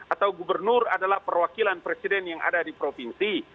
atau gubernur adalah perwakilan presiden yang ada di provinsi